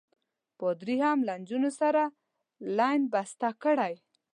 پادري هم له نجونو سره لین بسته کړی.